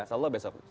insya allah besok